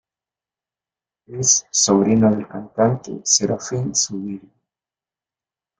Es sobrino del cantante Serafín Zubiri.